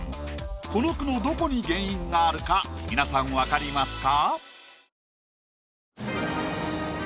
この句のどこに原因があるか皆さんわかりますか？